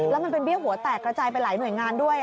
แล้วมันเป็นเบี้ยหัวแตกกระจายไปหลายหน่วยงานด้วย